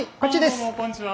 あどうもこんにちは。